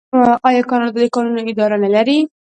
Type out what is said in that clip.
آیا کاناډا د کانونو اداره نلري؟